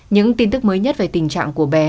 những tin tức mới nhất về tình trạng của bé